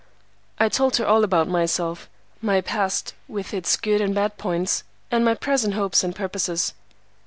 I told her all about myself,—my past, with its good and bad points, and my present hopes and purposes.